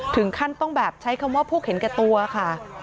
ถึงขั้นต้องแบบใช้คำว่าพวกเห็นแก่ตัวค่ะ